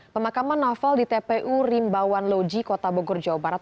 pemakaman novel di tpu rimbawan loji kota bogor jawa barat